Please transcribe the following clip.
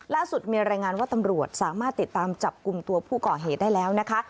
ล่าสุดมีรายงานว่าตำรวจสามารถติดตามจับกลุ่มตัวผู้ก่อเหตุได้แล้วนะคะ